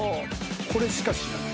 これしか知らない。